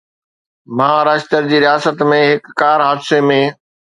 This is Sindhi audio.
مهاراشٽر جي رياست ۾ هڪ ڪار حادثي ۾